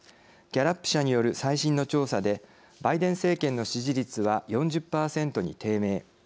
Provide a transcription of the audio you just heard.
ギャラップ社による最新の調査でバイデン政権の支持率は４０％に低迷。